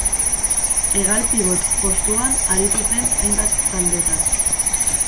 Hegal-pibot postuan aritu zen hainbat taldetan.